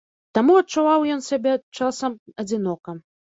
Таму адчуваў ён сябе часам адзінока.